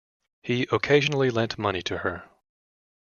He occasionally lent money to her.